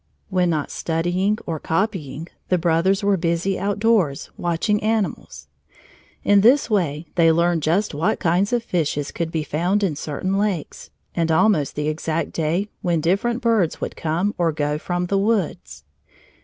When not studying or copying, the brothers were busy outdoors, watching animals. In this way they learned just what kinds of fishes could be found in certain lakes, and almost the exact day when different birds would come or go from the woods.